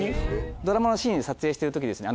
ドラマのシーン撮影してるときですね